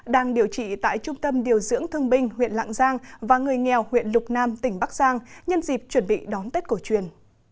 đang điều trị tại trung tâm điều dưỡng thương binh huyện lạng giang và người nghèo huyện lục nam tỉnh bắc giang nhân dịp chuẩn bị đón tết cổ truyền